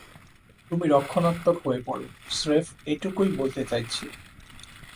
তুমি রক্ষণাত্মক হয়ে পড়ো, স্রেফ এটুকুই বলতে চাইছি।